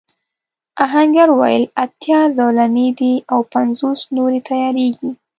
آهنګر وویل اتيا زولنې دي او پنځوس نورې تياریږي.